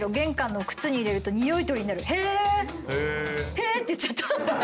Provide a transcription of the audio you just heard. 「へぇ」って言っちゃった。